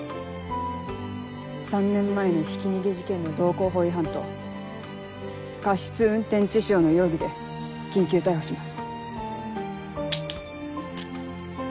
３年前のひき逃げ事件の道交法違反と過失運転致傷の容疑で緊急逮捕します。